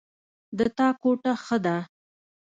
د تا کوټه ښه ده